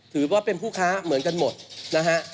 ถือว่าเป็นผู้ค้าเหมือนกันหมดนะฮะ